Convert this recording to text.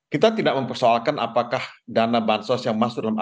kita tidak mempersoalkan apakah dana bansos yang masuk dalam